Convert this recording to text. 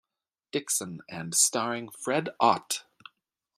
Dickson and starring Fred Ott.